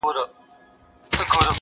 کرۍ ورځ په کور کي لوبي او نڅا کړي٫